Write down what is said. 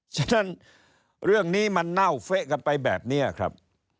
ฉะนั้นเรื่องนี้มันเน่าเฟะกันไปแบบนี้ครับ